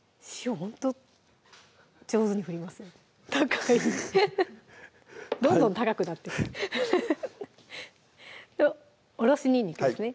ほんと上手に振りますね高いどんどん高くなっていくおろしにんにくですね